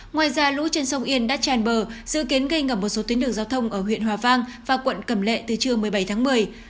ngoài ra lũ trên sông yên đã tràn bờ dự kiến gây ngập một số tuyến đường giao thông ở huyện hòa vang và quận cẩm lệ từ trưa một mươi bảy tháng một mươi